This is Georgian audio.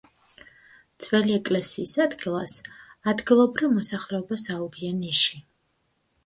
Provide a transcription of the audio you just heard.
ძველი ეკლესიის ადგილას ადგილობრივ მოსახლეობას აუგია ნიში.